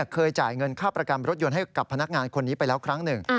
เคยจ่ายเงินค่าประกันรถยนต์ให้กับพนักงานคนนี้ไปแล้วครั้งหนึ่ง